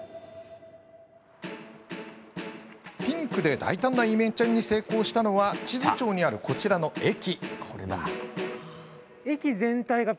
ピンクで大胆なイメチェンに成功したのは智頭町にあるこちらの駅。